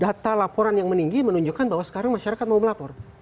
data laporan yang meninggi menunjukkan bahwa sekarang masyarakat mau melapor